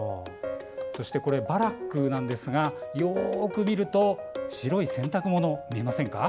そしてバラックですがよく見ると白い洗濯物が見えませんか？